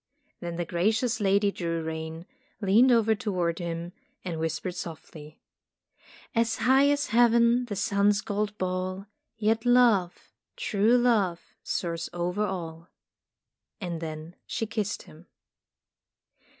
Then the gracious Lady drew rein, leaned over toward him, and whis pered softly: "As high as Heaven the sun's gold ball — Yet love, true love, soars over all." And then she kissed him.